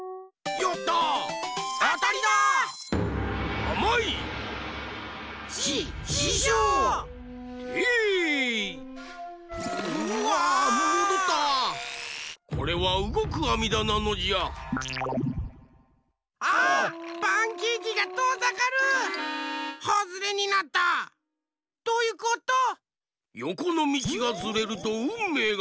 よこのみちがずれるとうんめいがかわるのじゃ！